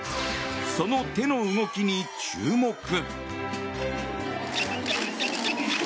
その手の動きに注目。